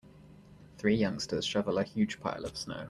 Three youngsters shovel a huge pile of snow.